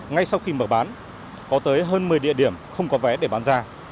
ngay sau khi mở bán có tới hơn một mươi địa điểm không có vé để bán ra